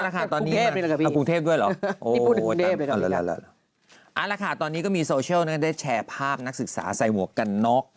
เอาคุณเทพด้วยเหรอโอ้โหตอนนี้ก็มีโซเชียลนะได้แชร์ภาพนักศึกษาใส่หมวกกันน็อก